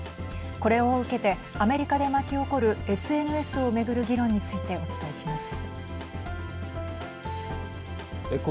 これを受けてアメリカで巻き起こるＳＮＳをめぐる議論についてお伝えします。